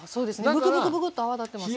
ブクブクブクっと泡立ってますが。